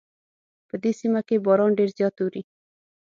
په دې سیمه کې باران ډېر زیات اوري